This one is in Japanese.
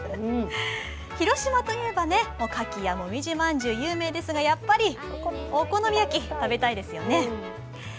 広島といえばかきや紅葉まんじゅうが有名ですがやっぱり、お好み焼き食べたいですよね。